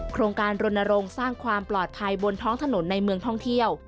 โครงการรณรงค์สร้างความปลอดภัยบนท้องถนนในเมืองท่องเที่ยว